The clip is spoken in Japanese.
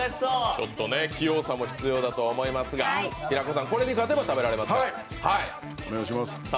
器用さも必要だと思いますが、平子さんこれに勝てば食べられますから。